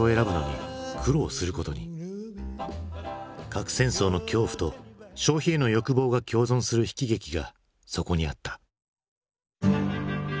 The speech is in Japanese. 核戦争の恐怖と消費への欲望が共存する悲喜劇がそこにあった。